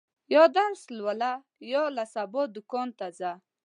یا درس لوله، یا له سبا دوکان ته ځه.